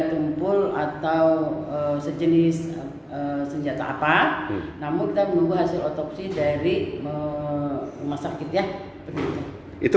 tumpul atau sejenis senjata apa namun kita menunggu hasil otopsi dari rumah sakit ya itu